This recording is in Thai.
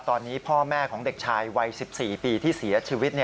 ตอนนี้พ่อแม่ของเด็กชายวัย๑๔ปีที่เสียชีวิต